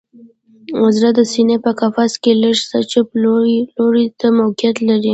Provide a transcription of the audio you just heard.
زړه د سینه په قفس کې لږ څه چپ لوري ته موقعیت لري